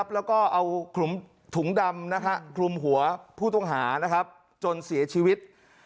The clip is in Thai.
แล้วก็เอาถุงดำคลุมหัวผู้ต้องหาจนเสียชีวิต